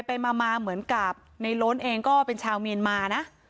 ไปมาเหมือนกับในโล้นเองก็เป็นชาวเมียนมานะ